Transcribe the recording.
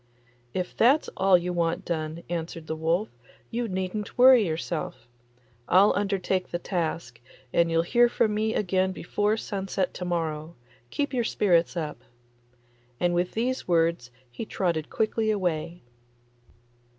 'If that's all you want done,' answered the wolf, 'you needn't worry yourself. I'll undertake the task, and you'll hear from me again before sunset to morrow. Keep your spirits up.' And with these words he trotted quickly away.